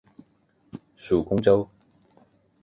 属恭州。